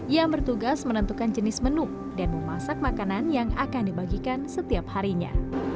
yang bertugas menentukan jenis menu dan memasak makanan yang akan dibagikan setiap harinya